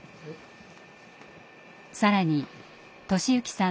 更に寿之さん